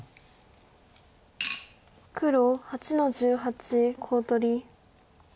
黒８の十八コウ取り。